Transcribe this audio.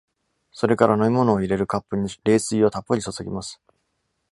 それから飲み物を入れるカップに冷水をたっぷり注ぎます。